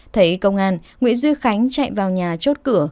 thấy công an nguyễn duy khánh chạy vào nhà chốt cửa